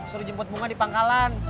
suruh jemput bunga di pangkalan